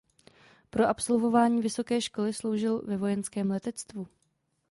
Po absolvování vysoké školy sloužil ve vojenském letectvu.